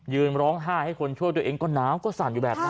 ร้องไห้ให้คนช่วยตัวเองก็หนาวก็สั่นอยู่แบบนั้น